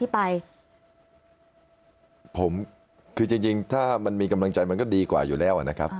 ผมคือจริงถ้ามันมีกำลังใจมันก็ดีกว่าอยู่แล้วนะครับ